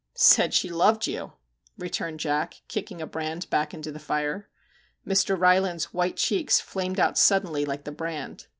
* Said she loved you' returned Jack, kicking a brand back into the fire. Mr. Rylands's white cheeks flamed out suddenly like the brand.